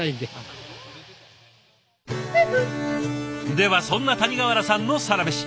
ではそんな谷川原さんのサラメシ。